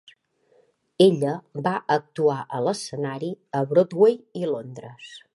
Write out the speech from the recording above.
Ella va actuar a l'escenari a Broadway i Londres.